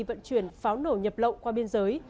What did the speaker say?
vận chuyển pháo nổ nhập lậu qua biên giới